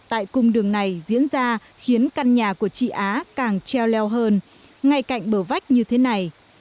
tại cung đường này diễn ra khiến căn nhà của chị á càng treo leo hơn ngay cạnh bờ vách như thế này